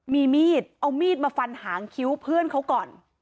มีมีดเอามีดมาฟันหางคิ้วเพื่อนเขาก่อน